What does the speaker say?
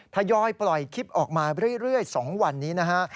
ทยอยปล่อยคลิปออกมาเรื่อย๒วันนี้นะฮะ